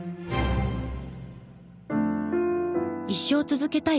一生続けたい。